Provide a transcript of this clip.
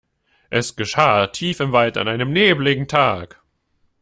Es geschah tief im Wald an einem nebeligen Tag.